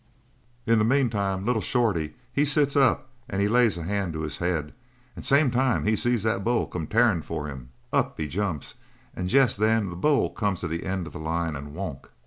"In the meantime little Shorty, he sits up and lays a hand to his head, and same time he sees that bull come tarin' for him. Up he jumps. And jest then the bull come to the end of the line and wonk!